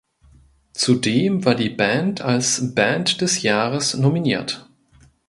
Zudem war die Band als „Band des Jahres“ nominiert.